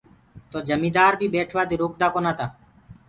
تو جميٚندآر بيٚ ٻيٽوآ دي روڪدآ ڪونآ تآ۔